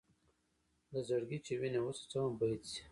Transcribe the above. له زړګي چې وینه وڅڅوم بیت شي.